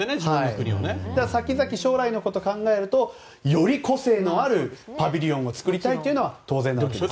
ただ、将来のことを考えるとより個性のあるパビリオンを作りたいというのは当然ですよね。